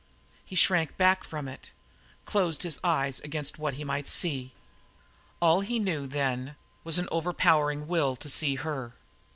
He shrank back from it; closed his eyes against what he might see. All he knew, then, was an overpowering will to see her.